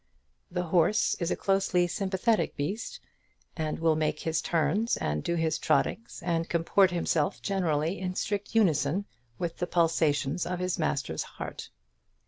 The horse is a closely sympathetic beast, and will make his turns, and do his trottings, and comport himself generally in strict unison with the pulsations of his master's heart.